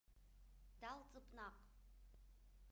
Далҵып наҟ.